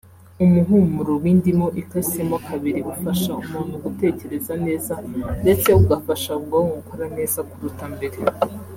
Umuhumuro w’indimu ikasemo kabiri ufasha umuntu gutekereza neza ndetse ugafasha ubwonko gukora neza kuruta mbere